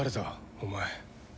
お前。